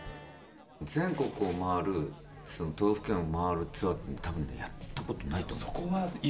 全国の都道府県を回るツアーは多分やったことがないと思う。